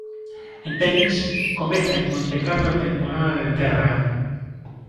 En tenis, comeza en Montecarlo a temporada de terra.